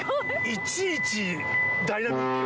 いちいちダイナミック。